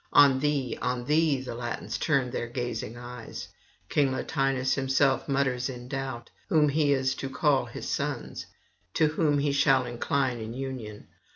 On thee, on thee the Latins turn their gazing eyes; King Latinus himself mutters in doubt, whom he is to call his sons, to whom he shall incline in union.